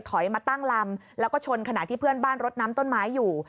มาตั้งลำแล้วก็ชนขณะที่เพื่อนบ้านรดน้ำต้นไม้อยู่